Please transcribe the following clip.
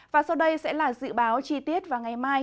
và sau đây sẽ là dự báo chi tiết vào ngày mai